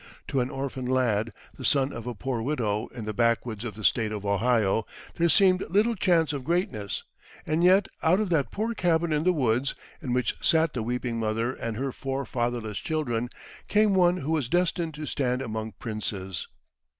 To an orphan lad, the son of a poor widow in the backwoods of the State of Ohio, there seemed little chance of greatness; and yet out of that poor cabin in the woods, in which sat the weeping mother and her four fatherless children, came one who was destined to stand among princes.